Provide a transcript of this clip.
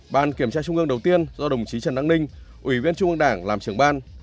ban kiểm tra trung ương đầu tiên do đồng chí trần đăng ninh ủy viên trung ương đảng làm trưởng ban